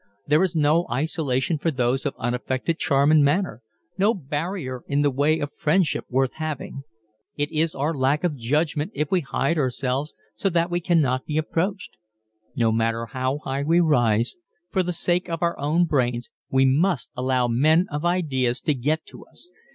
There is no isolation for those of unaffected charm and manner no barrier in the way of friendship worth having. It is our lack of judgment if we hide ourselves so that we cannot be approached. No matter how high we rise, for the sake of our own brains we must allow men of ideas to get to us.